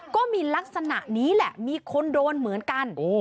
ก็มีลักษณะนี้แหละมีคนโดนเหมือนกัน